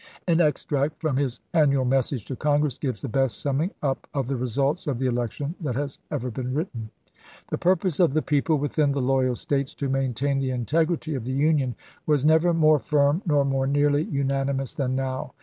An extract from his annual message to Congress gives the best summing up of the results of the election that has ever been written. The purpose of the people within the loyal States to maintain the integrity of the Union was never more firm nor more nearly unanimous than now.